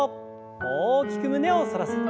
大きく胸を反らせて。